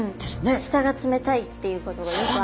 下が冷たいっていうことがよくある。